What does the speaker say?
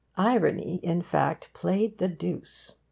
Irony, in fact, played the deuce.